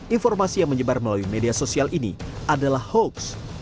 informasi yang menyebar melalui media sosial ini adalah hoax